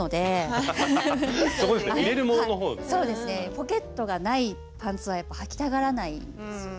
ポケットがないパンツはやっぱはきたがらないです。